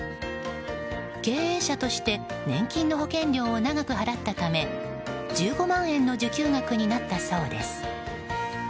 経営者として年金の保険料を長く払ったため１５万円の受給額になったそうです。